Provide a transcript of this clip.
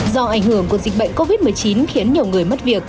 do ảnh hưởng của dịch bệnh covid một mươi chín khiến nhiều người mất việc